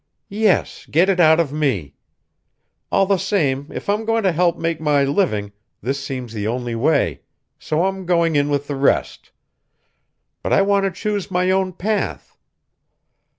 "Yes, get it out of me! All the same if I'm going to help make my living, this seems the only way, so I'm going in with the rest. But I want to choose my own path.